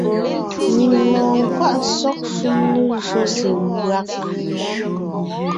Nyìŋ lɔɔn nkwaʼ sɔ́g shúm lejÿó se mbÿág.